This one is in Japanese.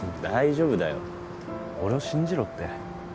大丈夫だよ俺を信じろって